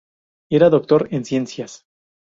Era Doctor en Ciencias.